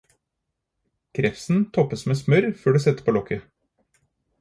Krepsen toppes med smør før du setter på lokket.